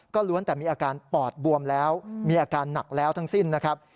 ล้วนแต่มีอาการปอดบวมแล้วมีอาการหนักแล้วทั้งสิ้นนะครับ